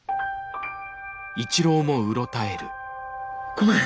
ごめん。